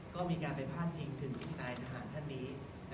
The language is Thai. ก็มีการไปพาดพิงถึงนายทหารท่านนี้